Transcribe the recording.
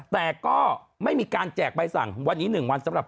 แต่ก็ไม่มีการแจกใบสั่งวันนี้๑วันสำหรับ